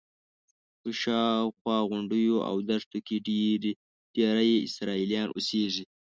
پر شاوخوا غونډیو او دښتو کې ډېری یې اسرائیلیان اوسېږي.